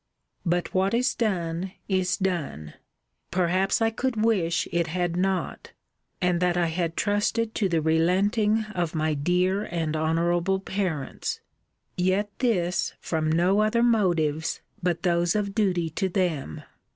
But what is done, is done perhaps I could wish it had not; and that I had trusted to the relenting of my dear and honourable parents. Yet this from no other motives but those of duty to them.